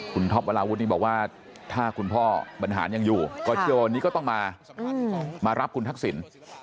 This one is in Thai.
คุณท็อปวราวุธบอกว่าถ้าคุณพ่อบรรหารยังอยู่ก็ต้องมารับคุณทักษิณ